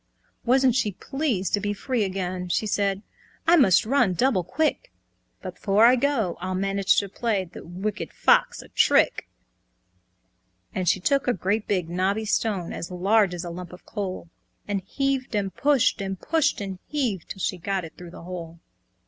Wasn't she pleased to be free again! She said, "I must run double quick; But before I go I'll manage to play, The Wicked Old Fox a trick." And she took a great big knobby stone, As large as a lump of coal, And heaved and pushed, and pushed and heaved, 'Till she got it through the hole.